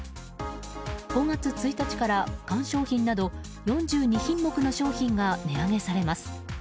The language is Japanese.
５月１日から、缶商品など４２品目の商品が値上げされます。